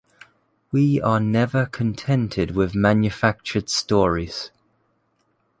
We are never contented with manufactured stories.